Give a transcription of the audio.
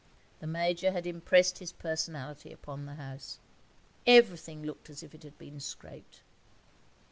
The Major had impressed his personality upon the house. Everything looked as if it had been scraped.